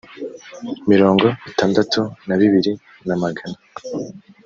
mirongo itandatu na bibiri na magana